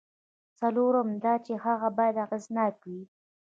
څلورم دا چې هغه باید اغېزناک وي.